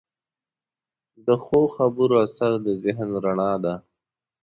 د ښو خبرو اثر د ذهن رڼا ده.